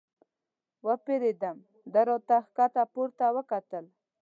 ورپېدم، ده را ته ښکته پورته وکتل.